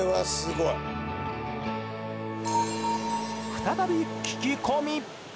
再び聞き込み。